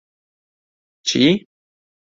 چی؟